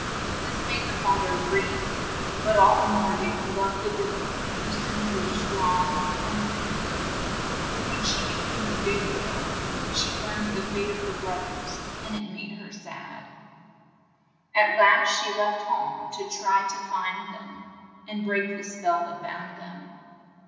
This made the fa ther grieve, but all the more did he love the girl, who soon grew strong and fair. When she be came a big girl, she learned the fate of her broth ers, and it made her sad. THE SEVEN CROWS 63 At last she left home to try to find them, and break the spell that bound them.